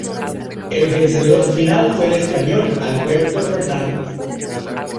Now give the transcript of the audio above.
El vencedor final fue el español Alberto Fernández.